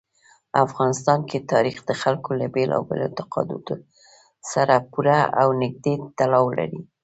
افغانستان کې تاریخ د خلکو له بېلابېلو اعتقاداتو سره پوره او نږدې تړاو لري.